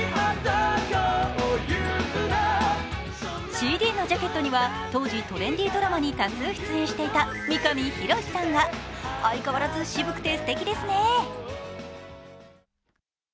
ＣＤのジャケットには、当時トレンディードラマに多数出演していた三上博史さんが相変わらず渋くて、すてきですね。